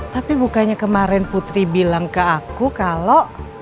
tapi bukannya kemarin putri bilang ke aku kalau